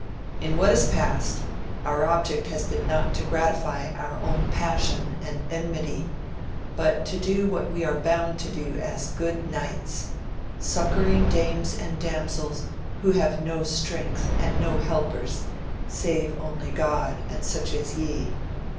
In what has passed, our object has been not to gratify our own passion and enmity, but to do what we are bound to do as good knights, suc couring dames and damsels, who have no strength and no helpers, save only God and such as ye.